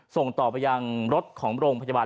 ส่งต่อไปยังรถของโรงพยาบาล